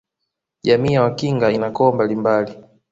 Jamii ya Wakinga ina koo mbalimbali